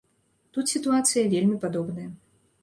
Тут сітуацыя вельмі падобная.